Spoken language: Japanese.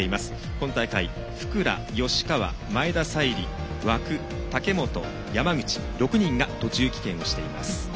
今大会、福良、吉川前田彩里、和久夢来など６人が途中棄権をしています。